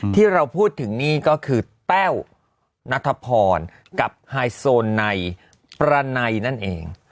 ที่เราพูดถึงนี่ก็คือแต้วนัทพรกับไฮโซไนประไนนั่นเอง